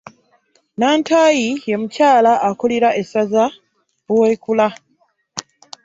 Nantaayi ye mukyala akulira essaza Buweekula.